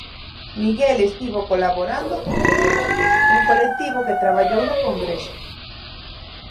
Miguel estivo colaborando con Entrevoces, un colectivo que traballou no congreso.